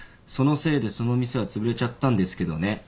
「そのせいでその店は潰れちゃったんですけどね」